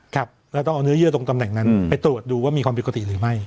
ครับแล้วต้องเอาเนื้อเยื่อตรงตำแหน่งนั้นไปตรวจดูว่ามีความผิดปกติหรือไม่